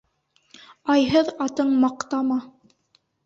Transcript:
Айһыҙ атың маҡтама.